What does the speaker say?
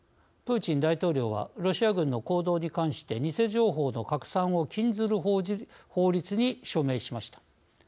プーチン大統領はロシア軍の行動に関して偽情報の拡散を禁ずる法律に署名しました。